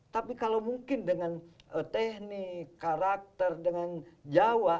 tapi kalau mungkin dengan teknik karakter dengan jawa